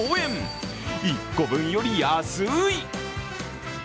１個分より安い。